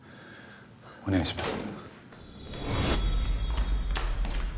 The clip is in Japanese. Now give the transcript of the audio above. お願いします。